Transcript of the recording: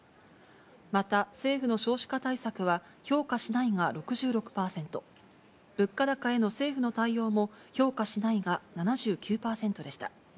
また、政府の少子化対策は評価しないが６６％、物価高への政府の対応も評価しないが７９％でした。